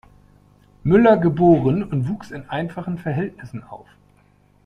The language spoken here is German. Müller geboren und wuchs in einfachen Verhältnissen auf.